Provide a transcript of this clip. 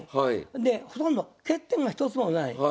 でほとんど欠点が一つもない。